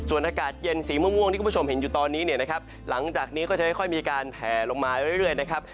วันนี้นะครับหลังจากนี้ก็จะค่อยมีการแผ่ลงมาเรื่อยนะครับ